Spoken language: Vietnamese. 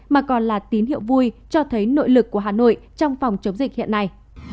mà còn là tín hiệu vui cho thấy nội lực của hà nội trong phòng chống dịch hiện nay